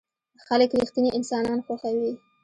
خلک رښتيني انسانان خوښوي.